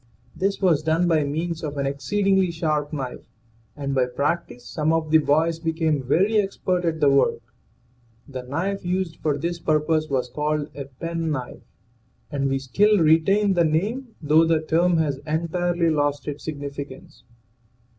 This was done by means of an exceedingly sharp knife, and by practice some of the boys became very expert at the work. The knife used for this purpose was called a pen knife, and we still retain the name though the term has entirely lost its significance.